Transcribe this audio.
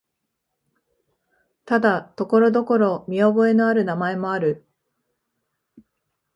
ただ、ところどころ見覚えのある名前もある。